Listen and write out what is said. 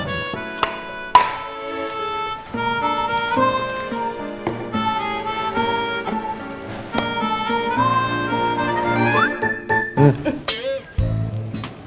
keren mas yulang